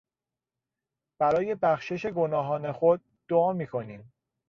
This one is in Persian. برای بخشش گناهان خود دعا میکنیم.